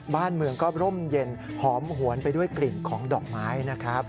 บ้านเมืองก็ร่มเย็นหอมหวนไปด้วยกลิ่นของดอกไม้นะครับ